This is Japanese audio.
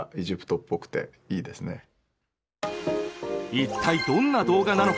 一体どんな動画なのか？